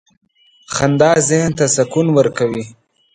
• خندا ذهن ته سکون ورکوي.